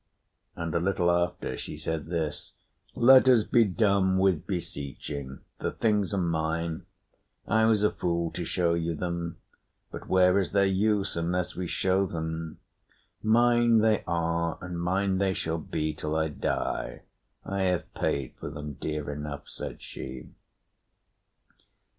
And a little after, she said this: "Let us be done with beseeching. The things are mine. I was a fool to show you them; but where is their use, unless we show them? Mine they are and mine they shall be till I die. I have paid for them dear enough," said she.